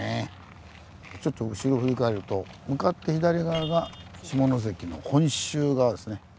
ちょっと後ろ振り返ると向かって左側が下関の本州側ですね。